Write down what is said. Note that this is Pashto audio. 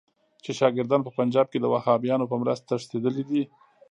چې شاګردان په پنجاب کې د وهابیانو په مرسته تښتېدلي دي.